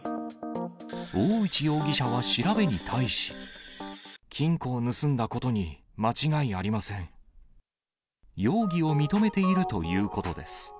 大内容疑者は調べに対し。金庫を盗んだことに間違いあ容疑を認めているということです。